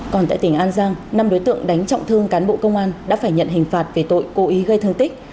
còn tại tỉnh an giang năm đối tượng đánh trọng thương cán bộ công an đã phải nhận hình phạt về tội cố ý gây thương tích